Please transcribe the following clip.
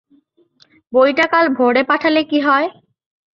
বইটা কাল ভোরে পাঠালে কি হয়?